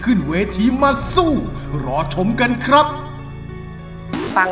แฟนของเราสิไม่มาหาหลอกให้รอคอยท่าจูบแล้วลาไปเลยนะ